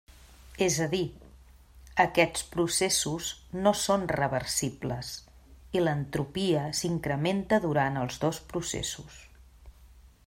És a dir, aquests processos no són reversibles i l'entropia s'incrementa durant els dos processos.